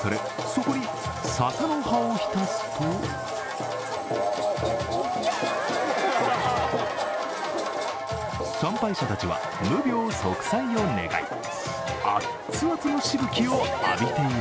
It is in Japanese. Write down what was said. そこに、ささの葉を浸すと参拝者たちは無病息災を願い